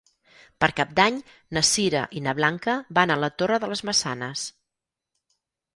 Per Cap d'Any na Sira i na Blanca van a la Torre de les Maçanes.